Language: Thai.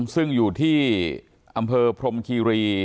ซึ่งอยู่ที่อำเภอพรมคีรี